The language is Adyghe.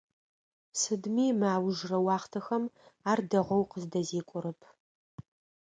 Сыдми мы аужрэ уахътэхэм ар дэгъоу къыздэзекӀорэп.